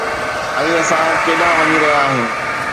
۽ اسان ڪيڏانهن وڃي رهيا آهيون؟